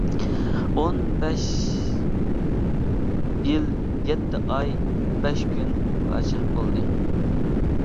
ئون بەش يىل يەتتە ئاي بەش كۈن پادىشاھ بولدى.